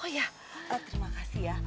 oh ya terima kasih ya